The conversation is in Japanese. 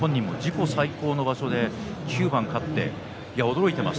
自己最高位の場所で９番勝って驚いています。